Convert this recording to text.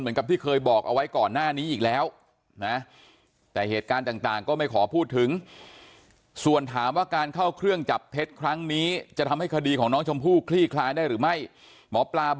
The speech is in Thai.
เหมือนกับที่เคยบอกเอาไว้ก่อนหน้านี้อีกแล้วนะ